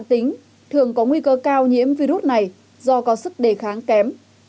tính thường có nguy cơ cao nhiễm virus này do có sức đề kháng kém